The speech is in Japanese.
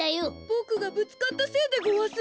ボクがぶつかったせいでごわす。